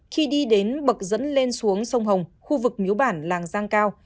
khi đi đến bậc dẫn lên xuống sông hồng khu vực miếu bản làng giang cao